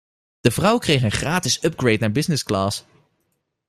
De vrouw kreeg een gratis upgrade naar businessclass.